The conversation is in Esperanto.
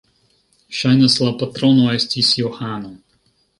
Ŝajnas, la patrono estis Johano.